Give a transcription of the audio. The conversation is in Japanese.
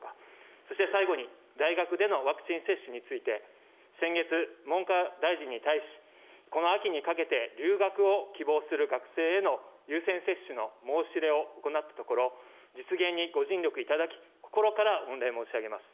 そして最後に、大学でのワクチン接種について、先月、文科大臣に対し、この秋にかけて留学を希望する学生への優先接種の申し入れを行ったところ、実現にご尽力いただき、心から御礼申し上げます。